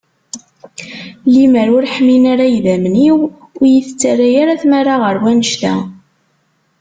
Limer ur ḥmin ara yidammen-iw ur iyi-tettarra ara tmara ɣer wanect-a.